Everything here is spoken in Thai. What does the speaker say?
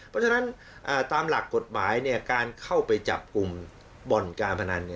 เพราะฉะนั้นตามหลักกฎหมายการเข้าไปจับกลุ่มบ่อนการพนัน